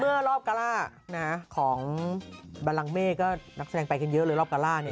รอบการ่าของบาลังเมฆก็นักแสดงไปกันเยอะเลยรอบการ่าเนี่ย